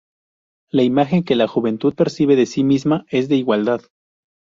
La imagen que la juventud percibe de sí misma es de igualdad.